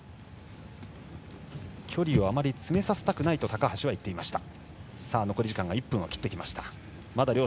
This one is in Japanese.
距離をあまり詰めさせたくないと高橋は言っていました。